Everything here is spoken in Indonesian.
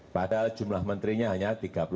padahal jumlah menterinya hanya tiga puluh empat